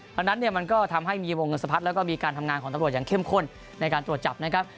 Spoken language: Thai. ดังนั้นเนี่ยมันก็ทำให้มีวงเงินสะพัดแล้วก็มีการทำงานของตำรวจอย่างเข้มข้นในการตรวจจับนะครับ